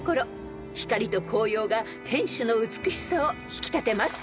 ［光と紅葉が天守の美しさを引き立てます］